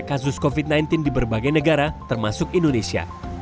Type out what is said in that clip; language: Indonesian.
kasus covid sembilan belas di berbagai negara termasuk indonesia